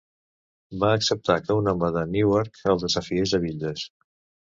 Va acceptar que un home de Newark el desafiés a bitlles.